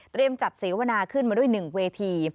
เตรียมจัดเสียวนาขึ้นมาด้วย๑เวที